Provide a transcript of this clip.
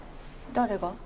誰が？